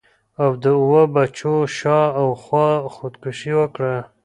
او د اووه بجو شا او خوا خودکشي وکړه.